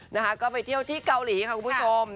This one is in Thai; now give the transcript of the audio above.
นะคะก็ไปเที่ยวที่เกาหลีค่ะคุณผู้ชม